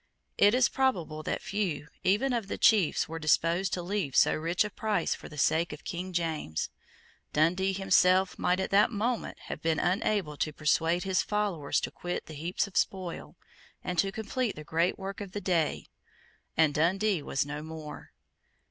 It is probable that few even of the chiefs were disposed to leave so rich a price for the sake of King James. Dundee himself might at that moment have been unable to persuade his followers to quit the heaps of spoil, and to complete the great work of the day; and Dundee was no more.